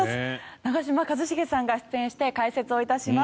長嶋一茂さんが出演して解説いたします。